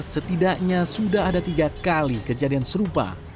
setidaknya sudah ada tiga kali kejadian serupa